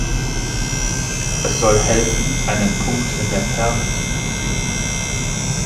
Es soll helfen, einen Punkt in der Ferne zu fixieren.